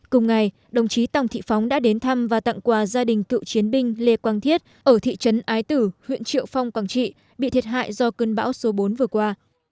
cùng ngày đồng chí tòng thị phóng đã đến thăm và tặng quà gia đình cựu chiến binh lê quang thiết ở thị trấn ái tử huyện triệu phong quảng trị bị thiệt hại do cơn bão số bốn vừa qua